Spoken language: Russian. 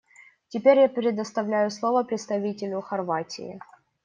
Теперь я предоставляю слово представителю Хорватии.